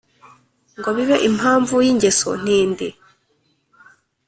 ngo bibe impamvu y ' ingeso ntindi